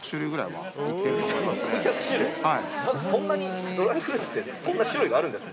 まずそんなにドライフルーツってそんな種類があるんですね。